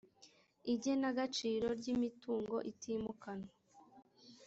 igenagaciro ry imitungo itimukanwa